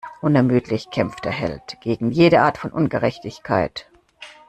Unermüdlich kämpft der Held gegen jede Art von Ungerechtigkeit.